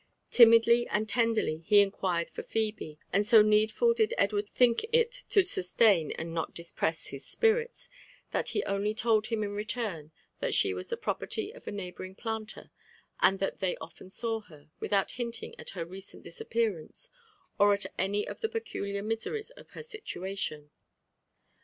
Timidly and tenderly he inquired for Phebe ; and so needful did Edward think it to sustain, and not depress his spirits, that he only told him in return that she was the property of a neighbouring planter, and that they often saw her, without hinting at her recent disappear ance, or at any of the peculiar miseries of her situation.